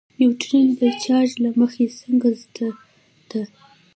نیوټرون د چارچ له مخې څنګه ذره ده.